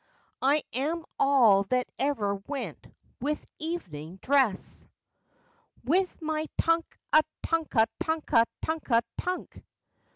I am all that ever went with evening dress! With my "_Tunk a tunka tunka tunka tunk!